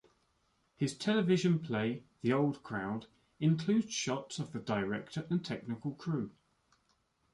His television play "The Old Crowd" includes shots of the director and technical crew.